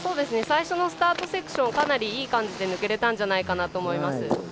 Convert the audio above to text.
最初のスタートセクションかなりいい感じで抜けれたんじゃないかと思います。